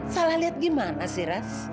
salah lihat gimana sih ras